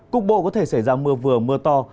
cục bộ có thể xảy ra mưa vừa mưa to